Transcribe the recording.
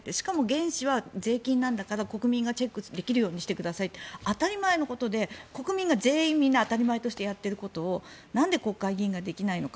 しかも原資は税金なんだから国民がチェックできるようにしてくださいって当たり前のことで国民が全員みんな当たり前としてやっていることをなんで国会議員ができないのか。